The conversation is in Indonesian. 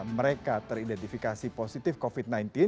mereka teridentifikasi positif covid sembilan belas